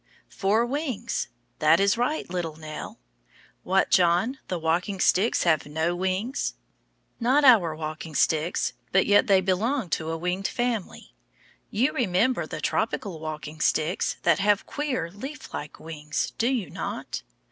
"Four wings" that is right, little Nell. What, John? the walking sticks have no wings? Not our walking sticks, but yet they belong to a winged family. You remember the tropical walking sticks that have queer leaf like wings, do you not?